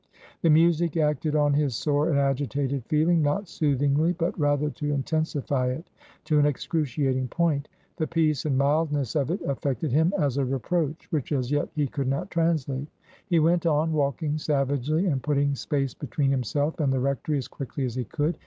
The music acted on his sore and agitated feeling, not soothingly, but rather to intensify it to an excruciating point. The peace and mildness of it affected him as a reproach which as yet he could not translate. He went on, walking savagely and putting space between himself and the rectory as quickly as he could.